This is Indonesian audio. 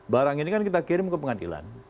barang ini kan kita kirim ke pengadilan